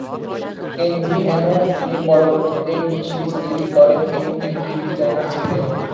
কেনজি Eno, যিনি পরবর্তীতে "D" series তৈরি করেন, তিনি গেমটির ডিজাইনার ছিলেন।